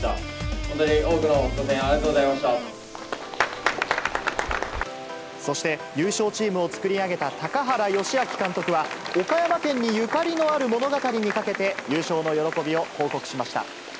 本当に多くのご声援ありがとうごそして、優勝チームを作り上げた高原良明監督は、岡山県にゆかりのある物語にかけて、優勝の喜びを報告しました。